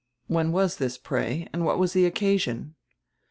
"When was this, pray, and what was the occasion?"